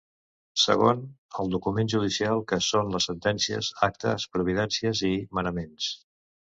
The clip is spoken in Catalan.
Segon, el document judicial, que són les sentències, actes, providències i manaments.